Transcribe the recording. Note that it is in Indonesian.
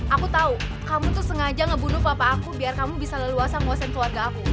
aku tahu kamu tuh sengaja ngebunuh papa aku biar kamu bisa leluasa nguasain keluarga aku